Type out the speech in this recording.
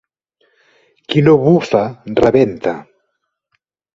Qui no bufa rebenta.